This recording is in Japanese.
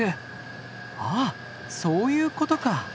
あっそういうことか！